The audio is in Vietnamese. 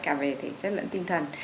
cả về thể chất lẫn tinh thần